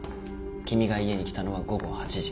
君が家に来たのは午後８時。